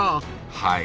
はい。